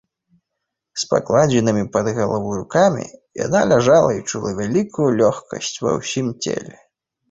З падкладзенымі пад галаву рукамі яна ляжала і чула вялікую лёгкасць ва ўсім целе.